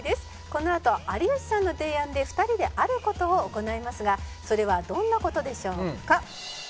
「このあと有吉さんの提案で２人である事を行いますがそれはどんな事でしょうか？」